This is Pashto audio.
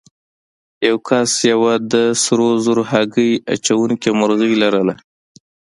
یو کس یوه د سرو زرو هګۍ اچوونکې مرغۍ لرله.